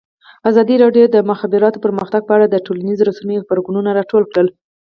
ازادي راډیو د د مخابراتو پرمختګ په اړه د ټولنیزو رسنیو غبرګونونه راټول کړي.